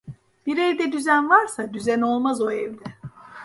Bir evde düzen varsa düzen olmaz o evde.